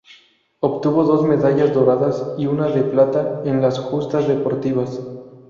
Obtuvo dos medallas doradas y una de plata en las justas deportivas.